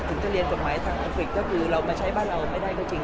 จะเรียนกฎหมายทางอังกฤษก็คือเรามาใช้บ้านเราไม่ได้ก็จริง